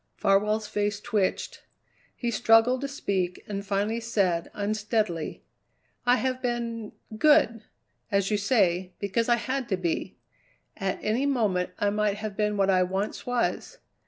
Farwell's face twitched. He struggled to speak, and finally said unsteadily: "I have been good, as you say, because I had to be. At any moment I might have been what I once was.